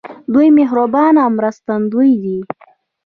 دوی مهربان او مرستندوی دي.